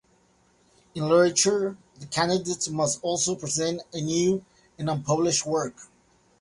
In literature, the candidates must also present a new and unpublished work.